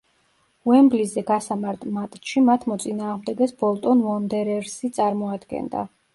უემბლიზე გასამართ მატჩში მათ მოწინააღმდეგეს „ბოლტონ უონდერერსი“ წარმოადგენდა.